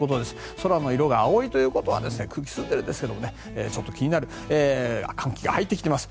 空の色が青いということは空気、澄んでいるんですけどちょっと気になる寒気が入ってきています。